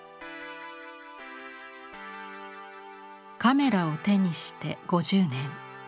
カメラを手にして５０年。